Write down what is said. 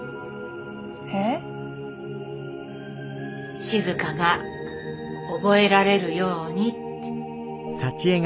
えっ？静が覚えられるようにって。